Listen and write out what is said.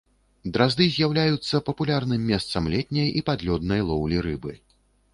Дразды з'яўляюцца папулярным месцам летняй і падлёднай лоўлі рыбы.